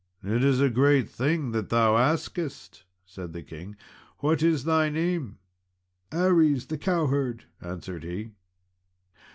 "It is a great thing that thou askest," said the king. "What is thy name?" "Aries, the cowherd," answered he.